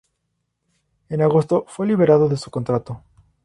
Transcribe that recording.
En agosto fue liberado de su contrato.